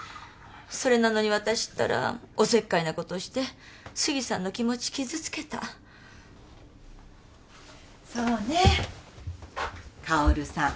それなのに私ったらおせっかいなことして杉さんの気持ち傷つけたそうね香さん